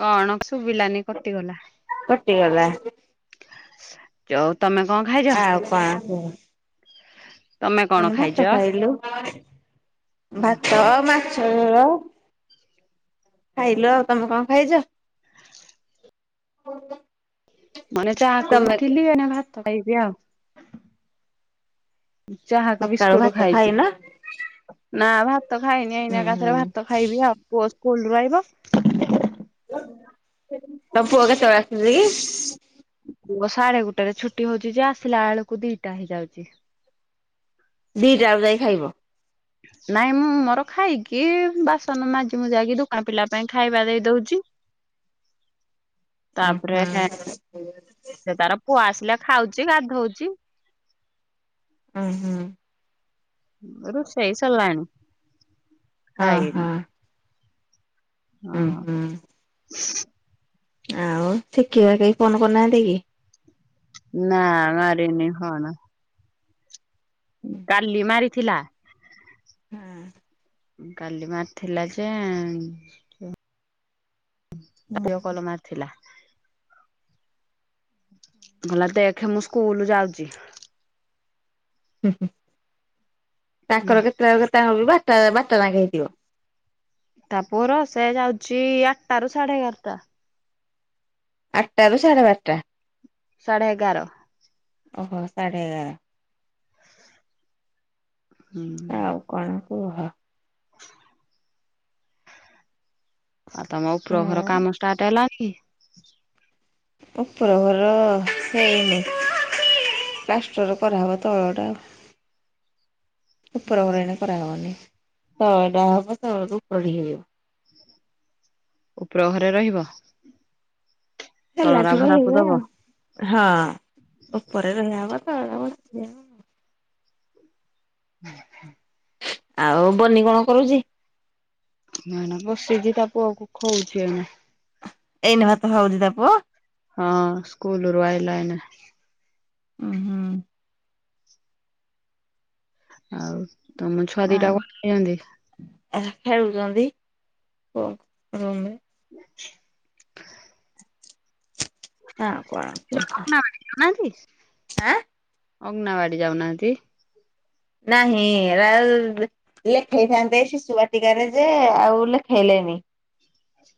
କଣ ଶୁଭିଲାନି କଟିଗଲା। କଟିଗଲା ତମେ କଣ ଖାଇ ଆଉ କଣ କୁହ। ତମେ କଣ ମେ ଭାତ ଖାଇଛ? ଖାଇଲୁ। ଭାତ, ଓହୋ ମା [unintelligible] ଖାଇଲୁ ଆଉ। ତମେ କଣ ଖାଇଛ? [inaudible] [inaudible] ମୁଁ ଏଇନା ଚାହା ତମେ [unintelligible] ଏଇନା ଭାତ ଖାଇବି ଆଉ। ଚାହା କୁ ସକାଳୁ ବିସ୍କୁଟ ଭାତ ଖାଇଛି। ଖାଇନ ନା ଭାତ ଖାଇନି ହୁଁ ଏଇନା ଏକାଥରେ ହୁଁ ଭାତ ଖାଇବି ଆଉ। ପୁଅ ସ୍କୁଲ ରୁ ଆଇବ। ତମ ପୁଅ କେତେବେଳେ ଆସୁଛି କି? ପୁଅ ସାଢ଼େ ଗୋଟେ ରେ ଛୁଟି ହଉଛି ଯେ, ଆସିଲା ବେଳକୁ ଦିଟା ହେଇଯାଉଛି। ଦିଇଟା ବେଳକୁ ଯାଇ ଖାଇବ? ନାଇଁ ମୁଁ ମୋର ଖାଇକି, ବାସନ ମାଜି ମୁୁଜାକି ଦୋକାନ ପିଲା ପାଇଁ ଖାଇବା ଦେଇ ଦଉଛି। [inaudible] ଉଁ ତାପରେ ସେ ତାର ପୁଅ ଆସିଲେ ଖାଉଛି ଗାଧଉଛି। ହୁଁ ହୁଁ। ରୁଷେଇ ସରିଲାଣି। ହଁ ଖାଇନି ହଁ। ହୁଁ ହଁ ହୁଁ। ଆଉ [unintelligible] କେହି ଫୋନ କରିନାହାନ୍ତି କି? ନା ମାରିନି ଫୋନ୍। କାଲି ମାରିଥିଲା। ହଁ। କାଲି ମାରିଥିଲା ଯେ [unintelligible] କଲ ମାରି ଥିଲା। କହିଲା ଦେଖେ ମୁଁ ସ୍କୁଲ ଯାଉଛି। ହୁଁ ହୁଁ। ହୁଁ ତାଙ୍କର କେତେଟା ରୁ କେତେଟା ହଉଛି ବାରଟା ବାରଟା ଯାକେ ହେଇଥିବ। ତା ପୁଅର ସେ ଯାଉଛି ଆଠଟା ର ସାଢ଼େ ଏଗାରଟା। ଆଠଟାରୁ ସାଢେ ବାରଟା। ସାଢ଼େ ଏଗାର। ଓହୋ ସାଢ଼େ ଏଗାର। ଆଉ ହୁଁ। କଣ କୁହ? [inaudible] ଆଉ ତମ ଉପର ଘର ଆଉ କାମ ଷ୍ଟାର୍ଟ ହେଲାକି? ଉପର ଘର ହେଇନି। ପ୍ଲାଷ୍ଟର କରାହେବ ତଳ ଟା ଆଉ। ଉପର ଘର ଏଇନା କରା ହବନି। ତଳ ଘର ଟା ହବ ତଳ ରୁ ଉପରେ କୁ ଯିବା। ଉପର ଘରେ ରହିବ। ତଳରା ହେଲାଠୁ ଭଡାକୁ ରହିବି ଦବ। ଆଉ। ହୁଁ ହୁଁ। ଆଉ ବନି କଣ କରୁଛି? ମୁଁ ଏଇନା ବସିଛି ତା ପୁଅକୁ ଖୁଅଉଛି ଏଇନା। ଏଇନା ଭାତ ଖାଉଛି ତା ପୁଅ। ହଁ ସ୍କୁଲ୍ ରୁ ଆଇଲା ଏଇନା। ଉଁ ହୁଁ। ଆଉ ତମ ଛୁଆ ଦିଟା କଣ କରୁଛନ୍ତି। ଏରା ଖେଳୁଛନ୍ତି ରୁମ୍ ରେ। [inaudible] ହାଁ କଣ କୁହ। ନାହାନ୍ତି ଆଁ ଅଗଙ୍ଗନାବାଡି ଯାଉନାହାନ୍ତି। ନାହିଁ ଏରା ଲେଖେଇଥାନ୍ତେ ଶିଶୁବାଟିକାରେ ଯେ ଆଉ ଲେଖେଇଲେନି।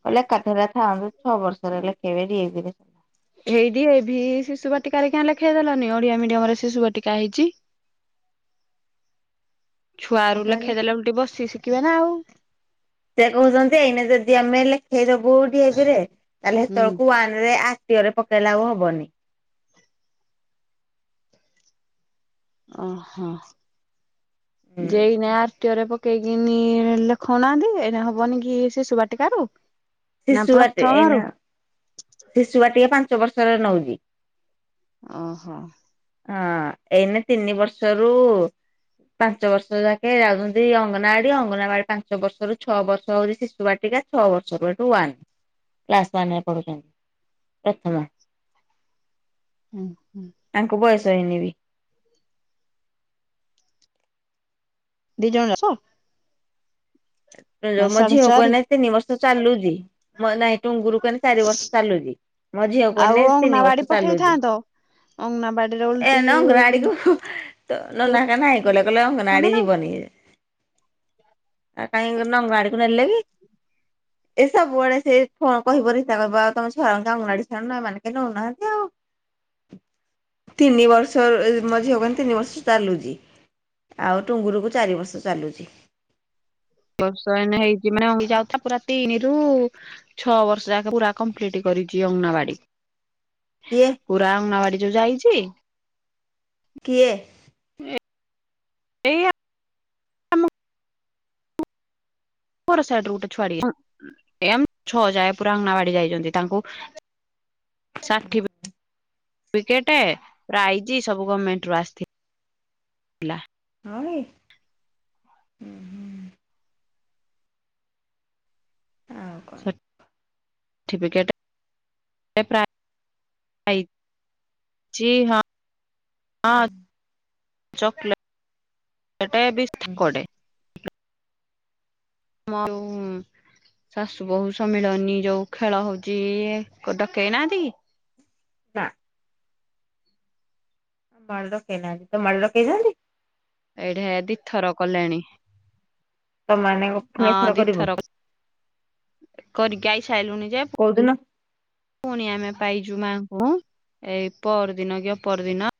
କହିଲା ଏକାଥରେ ଥାନ୍ତୁ ଛଅ ବର୍ଷର ହେଲେଖେଇବେ ଡି ଏ ଭି ରେ। କଣ ଏଇଠି ଏ ବି ଶିଶୁ ବାଟିକା କିଆଁ ଲେଖେଇଦେଲନି ଓଡିଆ ମିଡିୟମ୍ ରେ ଶିଶୁ ବାଟିକା ହେଇଛି। [inaudible] ଛୁଆ ରୁ ପାଇଁ ଲେଖେଇ ଦେଲେ ଓଲଟି ବସିକି ଶିଖିଇବେ ନା ଆଉ। ସେ କହୁଛନ୍ତି ଏଇନେ ଯଦି ଆମେ ଲେଖେଇଦବୁ ଡି ଏ ଭି ରେ ତାହେଲେ ହୁଁ। ସେତେବେଳକୁ ୱାନ ରେ ଆ ଟିଅରେ ପକେଇଲା ଆଉ ହବନି। ଓହୋ ହୁଁ ଯେଇନା ର୍। ତିଅରେ ପକେଇକିନିଲେ ଖଉନାହାନ୍ତି ଏଇନା ହବନି କି ସେ ଶୁବାଟିକ ରୁ? ନା ପ୍ରଥମରୁ। ଶିଶୁବାଟିକା ପାଞ୍ଚ ବର୍ଷର ନଉଛି। ଓହୋ। ହଁ ଏଇନେ ତିନି ବର୍ଷରୁ ପାଞ୍ଚ ବର୍ଷ ଯାକେ ଯାଉଛନ୍ତି ଅଙ୍ଗନବାଡି। ଅଙ୍ଗନାବାଡି ପାଞ୍ଚ ବର୍ଷରୁ ଛଅ ବର୍ଷ ହଉଛି ଶିଶୁବାଟିକା। ଛଅ ବର୍ଷ ପରଠୁ ଆଇଁଲୁ କ୍ଲାସ ୱାନ ରେ ପଢୁଛନ୍ତି। ପ୍ରଥମ। ହୁଁ ହୁଁ। ତାଙ୍କୁ ବୟସ ହେଇନି ବି। ଦି ଜଣ ଆସ। ମୋ ସାଢେ ଝିଅକୁ ଚାରି ଏଇନେ ତିନି ବର୍ଷ ଚାଲୁଛି। ମୋ ନାଇଁ ଟୁଙ୍ଗୁରୁ ଏଇନେ ଚାରି ବର୍ଷ ଚାଲୁଛି। ମୋ ଝିଅକୁ ହେଲେ ତିନି ବର୍ଷ ଚାଲୁଛି। ଅଙ୍ଗନାବାଡ଼ିରେ ଏ ନ ଅଙ୍ଗନାଆଡିକୁ ନ ନନା ଘରିକା ନାହିଁ କଲେ। କହିଲେ ଦେଇଥାନ୍ତେ ଅଙ୍ଗନାଆଡି ନା। ଯିବନି ଇଏ। ଆଉ କାହିଁ ଅଙ୍ଗନବାଗାଡିକୁ ନେଲେ କି? ଏ ସବୁବେଳେ ସେ ଫୋନ୍ କହିବ ରିତା କହିବ ତମ ଛୁଆ ମାନଙ୍କୁ ଅଙ୍ଗାନଆଡ଼ି ଛାଡୁନା ଏମାନେ କେହି ନଉନାହାନ୍ତି ଆଉ। ତିନି ବର୍ଷର ମୋ ଝିଅ କୁ ଏଇନେ ତିନି ବର୍ଷ ଚାଲୁଛି। ଆଉ ଟୁଙ୍ଗୁୁରୁକୁ ଚାରି ବର୍ଷ ଚାଲୁଚି। ବର୍ଷ ଏଇନା ହେଇଚି ମାନେ ଯାଉଥା ପୁରା ତିନି ରୁ ଛଅ ବର୍ଷ ଯାକ ପୁରା କମ୍ପ୍ଲିଟ କରିଚି ପୁରା ଅଙ୍ଗନାବାଡି। କିଏ? ପୁରା ଅଙ୍ଗନବାଡି ଯୋଉ ଯାଇଚି କିଏ? ଏଇ ଆମ ସେପେଟ ସାଇଟରୁ ଗୋଟେ ଛୁଆଡିଏ ଏଇ ଆମ ଛଅ ଯାଏ ପୁରା ଅଙ୍ଗାନାବାଡି ଯାଇଚନ୍ତି ତାଙ୍କୁ ଷାଠିପି ସାଠି ପିକେଟ ପ୍ରାଇଜ ସବୁ ଗମେଣ୍ଟ ରୁ ଆସିଥିଲା। ହଁ କି। ଆଉ କଣ? ସାଠୀ ପିକେଟ ସେ ପ୍ରାଇ ପ୍ରାଇଯ ହଁ ହଁ ଚକଲେଟ୍। ଚକ୍ଲେଟ ବିସ୍କୁଟେ। ହୁଁ। ଶାଶୁ ବୋହୁୂ ସମ୍ମିଳନୀ ଯୋଉ ଖେଳ ହଉଚି ଡକେଇ ନାହାନ୍ତି କି? ନା। ଆମ ଆଡେ ଡକେଇନାହାନ୍ତି। ତ ମାଡେ ଡକେଇଚନ୍ତି? ଏଇଟା ଦି ଥର କଲେଣି। ତମ ମାନେ ପୁଣି ହଁ ଏଥର ଦି କରିବ। ଥର ପା କରିକି ଆଇ ସାରିଲୁଣି ଯେ କୋଉଦିନ? ପୁଣି ଆମେ ପାଇଚୁ ମାଙ୍କୁ ଏଇ ପହରଦିନ କି ଅପରଦିନ।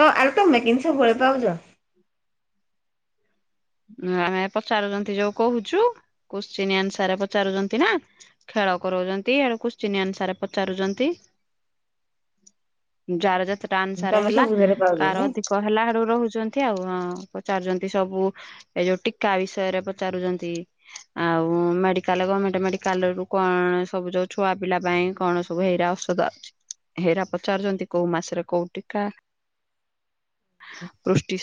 ତ ଆରେ ତମେ କିିନି ସବୁବେଳେ ପାଉଚ? ଆମେ ପଚାରୁଚନ୍ତି ଯୋଉ କହୁଚୁ କୋଶ୍ଚିନ୍ ଆନ୍ସର ପଚାରୁଚନ୍ତି ନା। ଖେଳ କରାଉଚନ୍ତି ଆଡେ କୋଶ୍ଚିନ୍ ଆନ୍ସର ପଚାରୁଚନ୍ତି। ଯାର ଯେତେଟା ଆନ୍ସାରେ ତମେ ହେଲା ସବୁଥିରେ ପାଉଛ କାର ନାଇଁ ଅଧିକ କ ହେଲାରୁ ରହୁଚନ୍ତି ଆଉ ପଚାରୁଚନ୍ତି ସବୁ। ଏ ଯୋଉ ଟୀକା ବିଷୟରେ ପଚାରୁଚନ୍ତି। ଆଉ ମେଡିକାଲ ଗମେଣ୍ଟ ମେଡିକାଲ ରୁ କଣ ସବୁ ଯ ଛୁଆ ପିଲା ପାଇଁ କଣ ସବୁ ସବୁ ହେଇରା ଔଷଧ ଆସୁଚି ହେଇରା ପଚାରୁଚନ୍ତି କୋଉ ମାସରେ କୋଉ ଟିକା। [inaudible]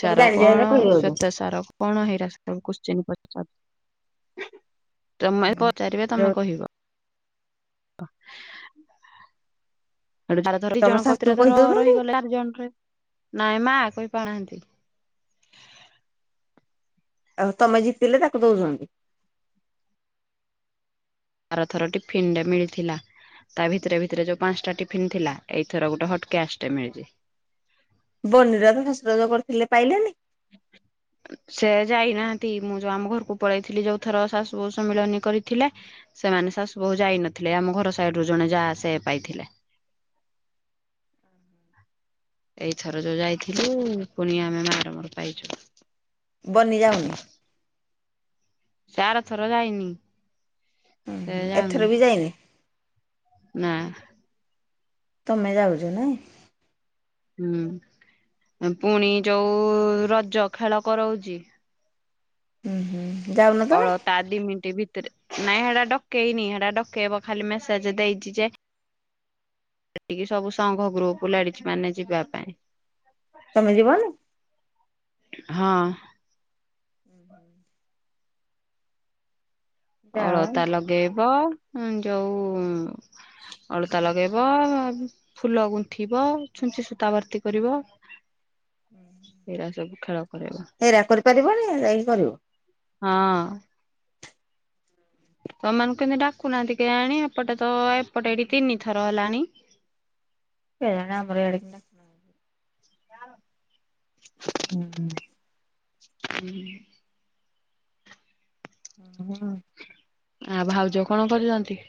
ତମେ ଜାଣି ଜାଣିକା କଣ କହିଯାଉଛ। ଶ୍ୱେତସାର କଣ ହେଇରା ସବୁ କୋସ୍କିନ ପଚାରୁଚନ୍ତି ତମେ ପଚାରିବେ ଯୋଉ ତମେ କହିବ। [inaudible] ଯଦି ତମ ଜଣ ଶାଶୁକୁ କତିରେ ଧର କହିଦଉଛନ୍ତି ରହିଗଲା ଚାରି ଜଣରେ ନାଇଁ ମା କହିପାଆନ୍ତି। ଆଉ ତମେ ଜିତିଲେ ତାକୁ ଦଉଚନ୍ତି? ଥର ଥର ଟିଫିନଟେ ମିଳିଥିଲା। ତା ଭିତରେ ଭିତରେ ଯୋଉ ପାଞ୍ଚଟା ଟିଫିନ ଥିଲା ଏଇଥର ଗୋଟେ ହଟକେସ ଟେ ମିଳିଚି। ବନିର ତ ଶଶୁର ଯୋଉ କରିଥିଲେ ପାଇଲେନି? ସେ ଯାଇନାହାନ୍ତି ମୁଁ ଯଉ ଆମ ଘରକୁ ପଳେଇଥିଲି ଯୋଉଥର ଶାଶୁ ବୋହୁ ସମ୍ମିଳନୀ କରିଥିଲା ସେମାନେ ଶାଶୁ ବହୁ ଯାଇନଥିଲେ ଆମ ଘର ସାଇଡ଼ରୁ ଜଣେ ଯା ସେ ପାଇଥିଲେ। ଏଇଥର ଯୋଉ ଯାଇଥିଲୁ ପୁଣି ଆମେ ମାର ମୋର ପାଇଛୁ। ବନି ଯାଉନି? ସେ ଆର ଥର ଯାଇନି। ସେ ହୁଁଁ ଏଥର ବି ଯାଇନି? ନାଁ। ତମେ ଯାଉଚ ନାଇଁ? ହୁଁ। ପୁଣି ଯୋଉ ରଜ ଖେଳ କରାଉଚି। ହୁଁ ହୁଁ। ଯାଉନ ତମେ? ତା ଦି ମିନିଟ ଭିତରେ ନାଇଁ ହେଟା ଡକେଇନି ହେଟା ଡକେଇବ ଖାଲି ମେସେଜ ଦେଇଚି ଯେ ସେତିକି ସବୁ ସଂଘ ଗ୍ରୁପ ଲେଡିଜ୍ ମାନେ ଯିବା ପାଇଁ। ତମେ ଯିବନି? ହଁ। ହୁଁ ହୁଁ ଯାଅ ଅଳତା ଲଗେଇବ ଯୋଉ ଅଳତା ଲଗେଇ ବ ଫୁଲ ଗୁନ୍ଥିବ ଛୁଞ୍ଚି ସୂତା ଭର୍ତ୍ତି କରିବ। ହୁଁ। ସେଇରା ସବୁ ଖେଳ କରେଇବ। ହେଇରା କରିପାରିବନି ଯାଇ କରିବ। ହଁ। ତମମାନଙ୍କୁ କେମିତି ଡାକୁନାହାନ୍ତି କେଆଣି ଏପଟେ ତ ଏପଟେ ଏଇଠି ତିନି ଥର ହେଲାଣି। କେଇଆଣି ଆମର ଇଆଡ଼େ କିନା ହୁଁ। ହୁଁ। ହଁ। ଆଉ ଭାଉଜ କଣ କରୁଚନ୍ତି?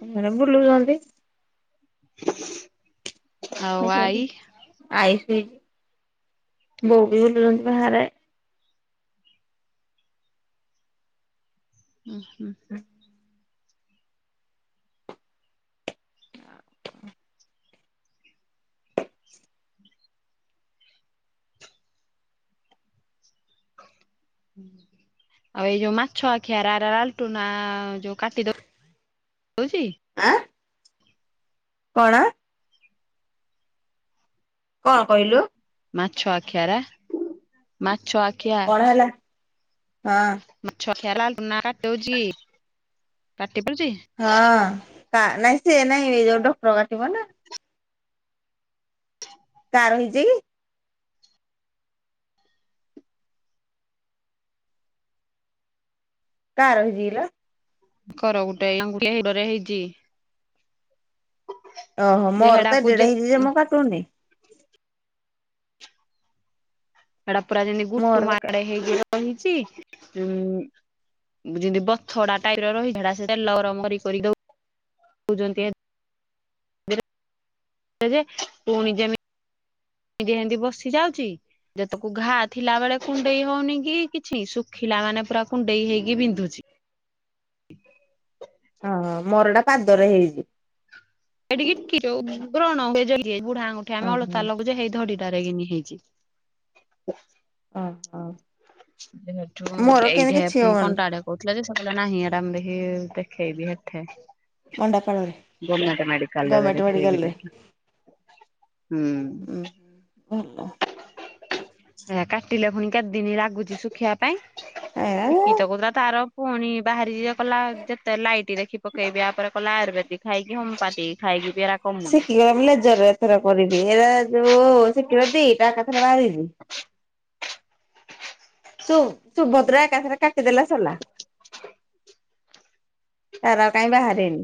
[unintelligible] ବୁଲୁଚନ୍ତି। ହ [unintelligible] ଆଇସି ହେଇଚି ବୋଉ ପି ବୁଲୁଚନ୍ତି ବାହାରେ। ଉଁ ହୁଁ। ହଁ ଆ ଆଉ ଏଇ ଯୋଉ ମାଛ ଆଖିଆର ଲାଲଟୁ ନା ଯୋଉ କାଟିଦଉ ଦଉଚି। ଆଁ। କଣ? କଣ କଇଲୁ? ମାଛ ଆଖିଆରା ମାଛ ଆ କଣ ହେଲା? ହଁ। ମାଛ ଆଖି [unintelligible] କାଟିଦଉଚି କାଟି ଦଉଚି। ହଁ ତା ନାଇଁ ସିଏ ନାଇଁ ଏଇ ଯୋଉ ଡକ୍ଟର କାଟିବ ନା। ତାର ହେଇଚି କି? କାର ହେଇଚି କି ଲୋ? ତାଙ୍କର ଗୋଟାଏ ଆଙ୍ଗୁଠି ଗୁଡରେ ହେଇଚି। ଓହୋ ଯେ ମୋର ତ ହେଡାକୁ ଏଡେଟେ ହେଇଚି ଯେ ମୁଁ କାଟୁନି। ସେଟା ପୁରା ଯେମିତି ଗୁଟୁ ମୋର କା ମାଡେ ହେଇକି ରହିଚି ଉଁ ଯେମିତି ବଥଡା ଟାଇପ ର ରହି ହେଟା ସେ ତେଲ ଗରମ୍ କରି କରି ଦଉ ଦଉଚନ୍ତି [unintelligible] ପୁଣି ଜେମି [unintelligible] ବସି ଯାଉଚି। ଯେତକୁ ଘା ଥିଲା ବେଳେ କୁଣ୍ଡେଇ ହଉନି କି କିଛି ଶୁଖିଲା ମାନେ ପୁରା କୁଣ୍ଡେଇ ହେଇକି ବିନ୍ଧୁଛି। ହଁ ମୋର ହେଟା ପାଦରେ ହେଇଚି। ଏଠିକି କି ଯୋଉ ବ୍ରଣ [unintelligible] ବୁଢ଼ାଆଙ୍ଗୁଠି ଆମେ ଓହୋ ଅଳତା ଲଗଉଚେ ହେଇ ଧଡିଟାରେ କିନି ହେଇଚି। ଅ ହ। ଯେବେଠୁ ଏଇଠେ କିଛି ହବନି ପଣ୍ଟା ଆଡ଼େ କଉଥିଲା ଯେ ସେପେଟ ନାହିଁ ଏଟା ଆମେ [unintelligible] ଦେଖେଇ ଦିଏଁ ହେଠେ। ମଣ୍ଡାପାଳରେ ଗମେଣ୍ଟ ମେଡ଼ିକାଲ୍ ରେ ଗଭର୍ଣମେଣ୍ଟ ଦେଖେଇବି ମେଡିକାଲରେ ଦେଖି। ହୁଁ। ଉଁ ଭଲ। ହେରା କାଟିଲେ ଫୁଣି କେତେ ଦିନି ଲାଗୁଚି ଶୁଖିବା ପାଇଁ ଏ ଶିକି ତ କୋଉଥୁଲା ତାର ପୁଣି ବାହାରେ ଇଏ କଲା ଯେତେ ଲାଇଟି ଦେଖି ପକେଇବି ଆ ପରେ କଲା ଆୟୁର୍ବେଦି ଖାଇକି ହୋମପାତି ସେ କିଏ [unintelligible] ଥର କରିବି ଏରା ଯୋଉ ସେ ପିଅନ୍ତି ତା କଥାରେ ବାହାରିବୁ। ସୁ-ସୁଭଦ୍ରା ଏକାଥରେ କାଟିଦେଲେ ସରିଲା। ତାର ଆଉ କାଇଁ ବାହାରିନି।